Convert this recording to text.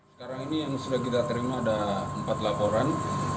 sekarang ini yang sudah kita terima ada empat laporan